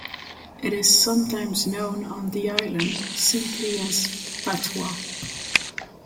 It is sometimes known on the island simply as "patois".